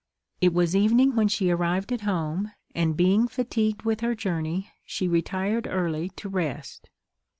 It was evening when she arrived at home; and being fatigued with her journey, she retired early to rest.